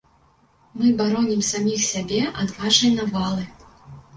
Мы баронім саміх сябе ад вашай навалы.